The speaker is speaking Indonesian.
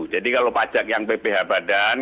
jadi kalau pajak yang pph badan